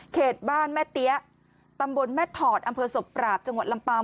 บ้านแม่เตี้ยตำบลแม่ถอดอำเภอศพปราบจังหวัดลำปาง